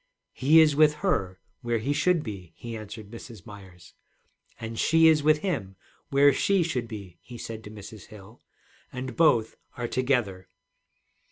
'He is with her, where he should be,' he answered Mrs. Myers, 'and she is with him, where she should be,' he said to Mrs. Hill, 'and both are together.'